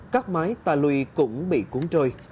các mái tà lùi cũng bị cuốn trôi